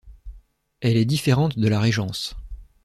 Elle est différente de la régence.